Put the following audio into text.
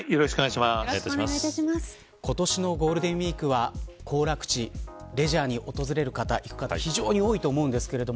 今年のゴールデンウイークは行楽地、レジャーに訪れる方行く方非常に多いと思うんですけど